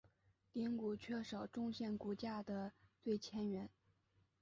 顶骨缺少中线骨架的最前缘。